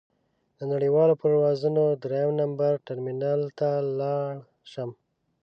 د نړیوالو پروازونو درېیم نمبر ټرمینل ته لاړ شم.